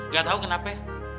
gak tau kenapa